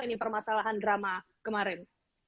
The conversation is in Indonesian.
ini permasalahan drama kemarin